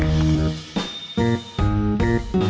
เซลล์ค่ะ